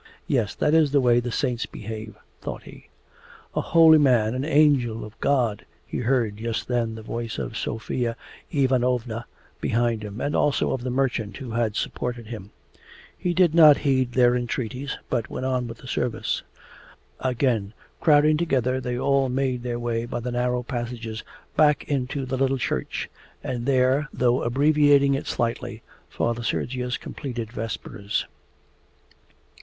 'Yes, that is the way the Saints behave!' thought he. 'A holy man an angel of God!' he heard just then the voice of Sofya Ivanovna behind him, and also of the merchant who had supported him. He did not heed their entreaties, but went on with the service. Again crowding together they all made their way by the narrow passages back into the little church, and there, though abbreviating it slightly, Father Sergius completed vespers.